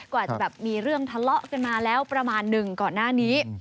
อาจจะแบบมีเรื่องทะเลาะกันมาแล้วประมาณหนึ่งก่อนหน้านี้